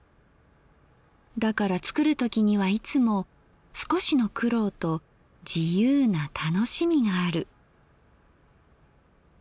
だから作る時にはいつも少しの苦労と自由な楽しみがある。